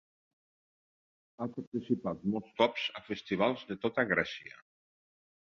Ha participat molts cops a festivals de tota Grècia.